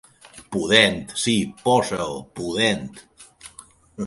Pudent, sí, posa-ho: pudent.